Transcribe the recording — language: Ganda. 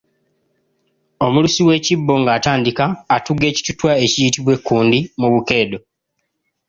Omulusi w'ekibbo ng'atandika atugga ekituttwa ekiyitibwa ekkundi mu bukeedo